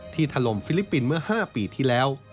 ถล่มฟิลิปปินส์เมื่อ๕ปีที่แล้ว